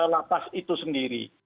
lapas itu sendiri